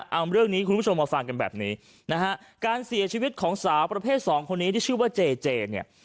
เอาเรื่องนี้คุณผู้ชมมาฟังกันแบบนี้นะฮะการเสียชีวิตของสาวประเภทสองคนนี้ที่ชื่อว่าเจเจเนี่ย